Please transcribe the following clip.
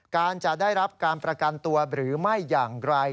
การจะได้รับการประกันตัวหรือไม่อย่างไร